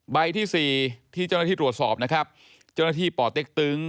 ใบที่สี่ที่เจ้าหน้าที่ตรวจสอบนะครับเจ้าหน้าที่ป่อเต็กตึง